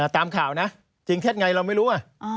ตามข่าวนะจริงเท็จไงเราไม่รู้